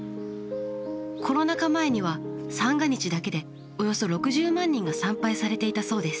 コロナ禍前には三が日だけでおよそ６０万人が参拝されていたそうです。